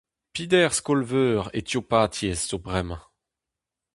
Peder skol-veur Etiopatiezh zo bremañ.